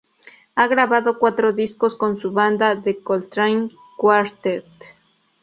Ha grabado cuatro discos con su banda The Coltrane Quartet.